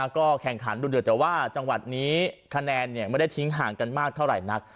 ก็แข่งขันดูเดือดแต่ว่าจังหวัดนี้คะแนนไม่ได้ทิ้งห่างกันมากเท่าไหร่นัก